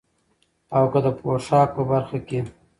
او که د پوشاک په برخه کې،